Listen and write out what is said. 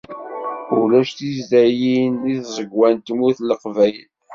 Ulac tizdayin deg tẓegwa n tmurt n Leqbayel.